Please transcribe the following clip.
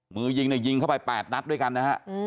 มือยิงเนี่ยยิงเข้าไป๘นัดด้วยกันนะฮะ